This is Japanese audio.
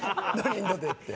インド・デーって。